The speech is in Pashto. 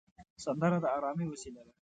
سندره د ارامۍ وسیله ده